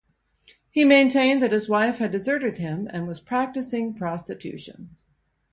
He maintained that his wife had deserted him and was practising prostitution.